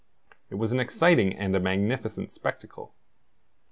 It was an exciting and a magnificent spectacle.